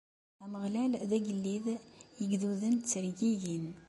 Ameɣlal, d agellid, igduden ttergigin.